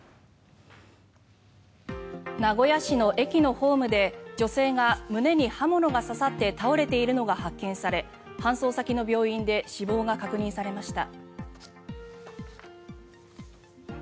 名古屋市の駅のホームで女性が胸に刃物が刺さって倒れているのが発見され搬送先の病院で死亡が確認されました。